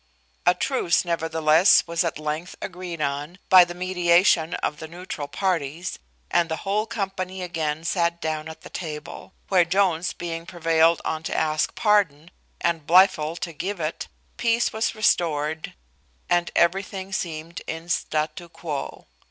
A truce, nevertheless, was at length agreed on, by the mediation of the neutral parties, and the whole company again sat down at the table; where Jones being prevailed on to ask pardon, and Blifil to give it, peace was restored, and everything seemed in statu quo.